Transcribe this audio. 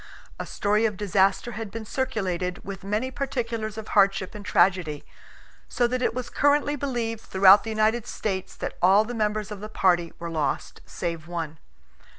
A story of disaster had been circulated, with many particulars of hardship and tragedy, so that it was currently believed throughout the United States that all the members of the party were lost save one.